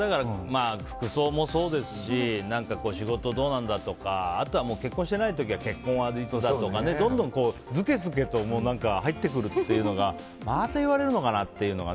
服装もそうですし仕事どうなんだとかあとは結婚していない時は結婚はいつだとか、ずけずけと入ってくるっていうのがまた言われるのかなっていうのが。